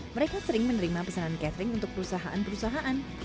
mereka sering menerima pesanan catering untuk perusahaan perusahaan